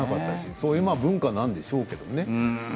そういう文化なんでしょうけれどね。